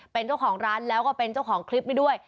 เป็นเจ้าของร้านแล้วก็เป็นเจ้าของคลิปนี้ด้วย